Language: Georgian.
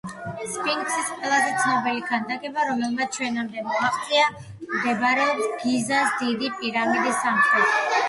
სფინქსის ყველაზე ცნობილი ქანდაკება, რომელმაც ჩვენამდე მოაღწია მდებარეობს გიზას დიდი პირამიდის სამხრეთით.